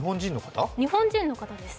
日本人の方です。